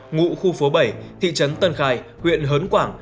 ngụ khu phố bảy thị trấn tân khai huyện hớn quảng